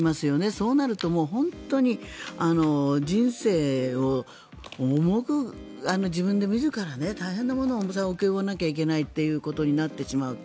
そうなると本当に人生を重く自分で自ら大変な重さを請け負わなきゃいけないということになってしまう。